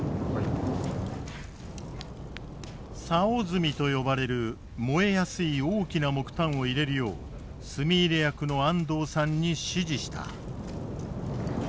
竿炭と呼ばれる燃えやすい大きな木炭を入れるよう炭入れ役の安藤さんに指示した。